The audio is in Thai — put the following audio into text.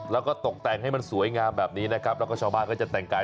แล้วก็ตกแต่งให้มันสวยงามแบบนี้นะครับแล้วก็ชาวบ้านก็จะแต่งกาย